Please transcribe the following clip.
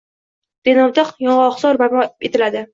Denovda yong‘oqzor barpo etiladi